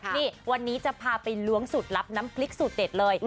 นี่วันนี้จะพาไปล้วงสูตรลับน้ำพริกสูตรเด็ดเลย